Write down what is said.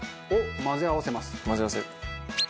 混ぜ合わせる。